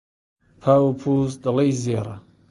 پاو و پووز، دەڵێی زێڕە